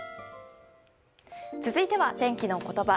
続いては、天気のことば。